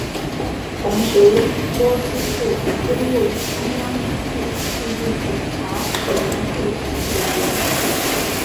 同时郭春富兼任中央军委纪律检查委员会委员。